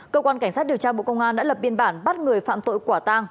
cơ quan cảnh sát điều tra bộ công an đã lập biên bản bắt người phạm tội quả tang